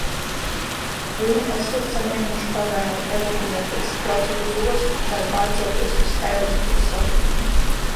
Viņi esot saņēmuši pavēli evakuēties, braucot uz ostu, lai pārceltos uz Hēlas pussalu.